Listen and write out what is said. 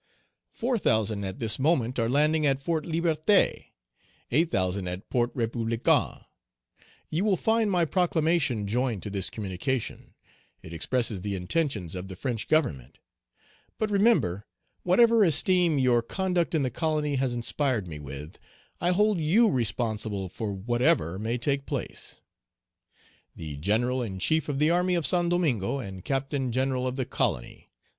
Four thousand at this moment are landing at Fort Liberté, eight thousand at Port Republican; you will find my proclamation joined to this communication; it expresses the intentions of the French Government; but, remember, whatever esteem your conduct in the colony has inspired me with, I hold you responsible for whatever may take place. "The General in chief of the army of Saint Domingo, and Captain General of the colony.